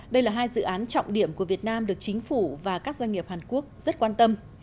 đây là hai dự án trọng điểm của việt nam được chính phủ và các doanh nghiệp hàn quốc rất quan tâm